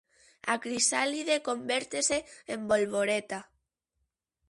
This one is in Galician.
A crisálide convértese en bolboreta.